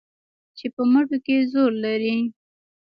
چې په مټو کې زور لري